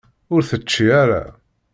Ur tečči ara.